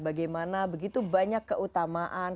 bagaimana begitu banyak keutamaan